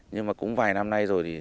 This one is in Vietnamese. nhưng mà cũng vài năm nay rồi